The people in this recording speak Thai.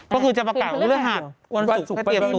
ก็คือจะประกาศวันพฤหัสวันศุกร์ให้เตรียมตัว